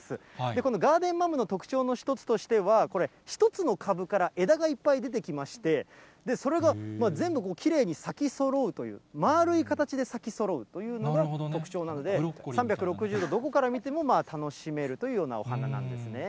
このガーデンマムの特徴の一つとしては、これ、１つの株から枝がいっぱい出てきまして、それが全部きれいに咲きそろうという、まあるい形で咲きそろうということなので、特徴なので、３６０度、どこから見ても楽しめるというようなお花なんですね。